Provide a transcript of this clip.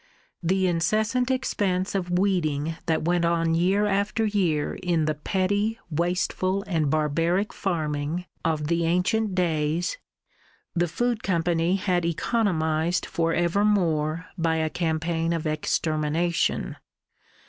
The incessant expense of weeding that went on year after year in the petty, wasteful and barbaric farming of the ancient days, the Food Company had economised for ever more by a campaign of extermination.